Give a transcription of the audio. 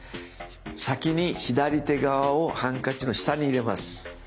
先に左手側をハンカチの下に入れます。